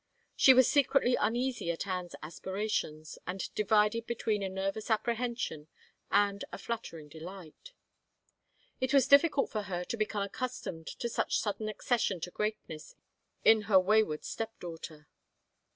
She was secretly tmeasy at Anne's aspirations, and divided between a nervous apprehension and a flattering delight. It was difficult for her to become accustomed to such sudden accession to greatness in her wayward step daughter.